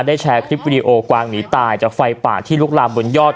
แชร์คลิปวิดีโอกวางหนีตายจากไฟป่าที่ลุกลามบนยอด